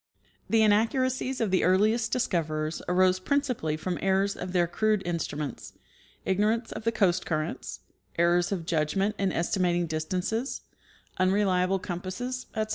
The inaccuracies of the earliest discoverers arose principal!}' from errors of their crude instruments, ignorance of the coast currents, errors of judgment in estimating distances, unreliable compasses, etc.